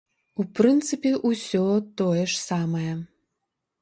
У прынцыпе, усё тое ж самае.